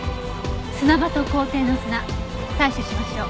砂場と校庭の砂採取しましょう。